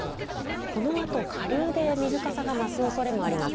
このあと下流で水かさが増すおそれもあります。